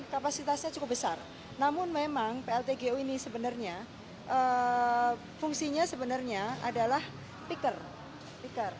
kapasitasnya cukup besar namun memang plt gu ini sebenarnya fungsinya sebenarnya adalah piker piker